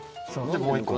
もう１個も。